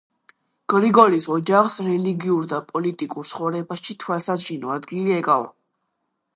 გრიგოლის ოჯახს რელიგიურ და პოლიტიკურ ცხოვრებაში თვალსაჩინო ადგილი ეკავა.